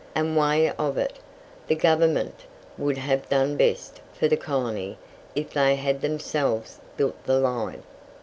Any way of it, the Government would have done best for the colony if they had themselves built the line.